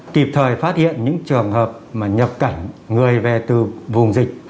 kịp thời phát hiện những trường hợp mà nhập cảnh người về từ vùng dịch